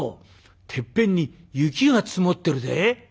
てっぺんに雪が積もってるで」。